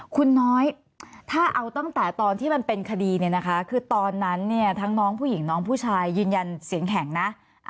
คุณน้อยถ้าเอาตั้งแต่ตอนที่มันเป็นคดีเนี่ยนะคะคือตอนนั้นเนี่ยทั้งน้องผู้หญิงน้องผู้ชายยืนยันเสียงแข็งนะ